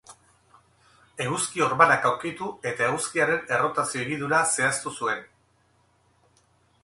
Eguzki-orbanak aurkitu eta eguzkiaren errotazio higidura zehaztu zuen.